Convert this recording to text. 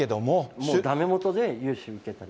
もうだめもとで融資を受けたり。